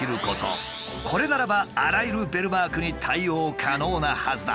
これならばあらゆるベルマークに対応可能なはずだ。